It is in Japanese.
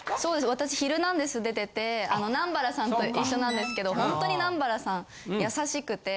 私『ヒルナンデス！』出てて南原さんと一緒なんですけどほんとに南原さん優しくて。